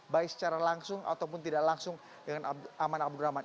baik secara langsung ataupun tidak langsung dengan aman abdurrahman